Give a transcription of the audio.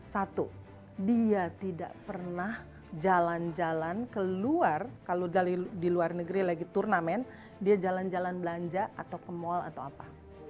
satu dia tidak pernah jalan jalan keluar kalau di luar negeri lagi turnamen dia jalan jalan belanja atau ke mal atau apa